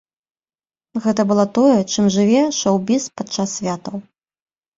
Гэта было тое, чым жыве шоў-біз падчас святаў!